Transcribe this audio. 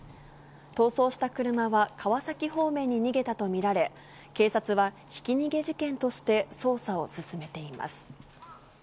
逃走した車は川崎方面に逃げたと見られ、警察は、ひき逃げ事件として捜査を進めています。